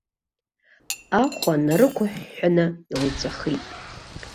Ахәа нарықәыҳәҳәаны илҵәахит.